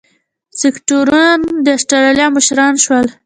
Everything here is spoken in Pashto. سکواټوران د اسټرالیا مشران شول.